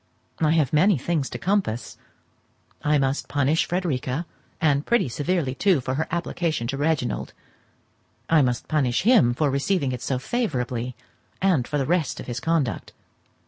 I have many things to compass: I must punish Frederica, and pretty severely too, for her application to Reginald; I must punish him for receiving it so favourably, and for the rest of his conduct.